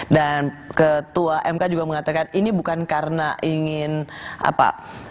dan ketua mk juga mengatakan ini bukan karena ingin apa